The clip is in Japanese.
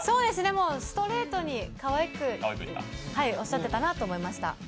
ストレートにかわいく、おっしゃってたなと思いました。